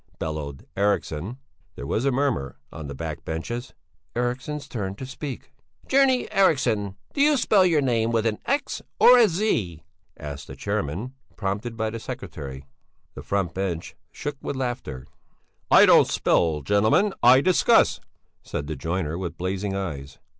bellowed Eriksson. There was a murmur on the back benches: "Eriksson's turn to speak." "Journeyman Eriksson do you spell your name with an x or a z?" asked the chairman, prompted by the secretary. The front bench shook with laughter. "I don't spell, gentlemen, I discuss," said the joiner with blazing eyes.